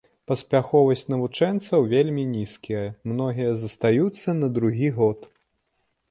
Паспяховасць навучэнцаў вельмі нізкая, многія застаюцца на другі год.